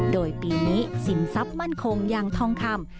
โดยปีนี้สินทรัพย์มั่นคงอย่างทองคำ